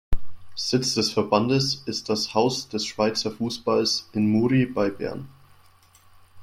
Sitz des Verbandes ist das "Haus des Schweizer Fussballs" in Muri bei Bern.